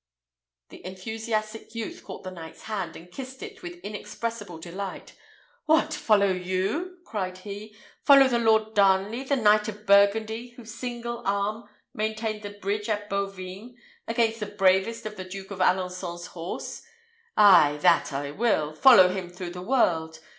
The enthusiastic youth caught the knight's hand, and kissed it with inexpressible delight. "What! follow you?" cried he; "follow the Lord Darnley, the Knight of Burgundy, whose single arm maintained the bridge at Bovines against the bravest of the Duke of Alençon's horse! Ay, that I will, follow him through the world.